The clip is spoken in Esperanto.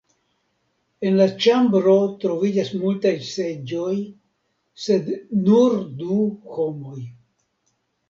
En la ĉambro troviĝas multaj seĝoj sed nur du homoj.